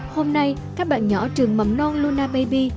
hôm nay các bạn nhỏ trường mầm non luna baby